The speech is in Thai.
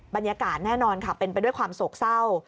บรรยากาศแน่นอนค่ะเป็นไปด้วยความโศกเศร้า